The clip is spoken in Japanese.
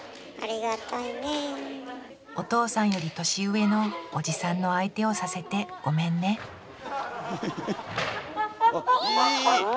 お父さんより年上のおじさんの相手をさせてごめんねああお！